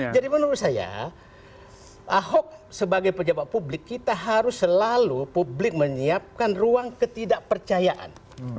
jadi menurut saya ahok sebagai pejabat publik kita harus selalu publik menyiapkan ruang ketidakpercayaan